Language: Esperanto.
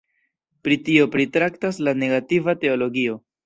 Pri tio pritraktas la negativa teologio.